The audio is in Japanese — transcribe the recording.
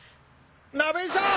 鍋井さん！